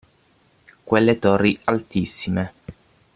Quelle torri altissime…